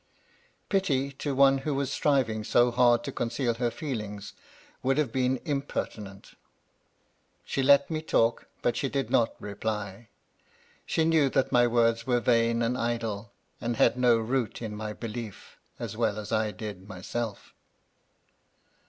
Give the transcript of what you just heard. Kty, to one who was striving so hard to conceal her feelings, would have G 3 130 MY LADY LUDLOW. been impertinent. She let me talk ; but she did not reply. She knew that my words were vain and idle, and had no root in my belief, as well as I did myself.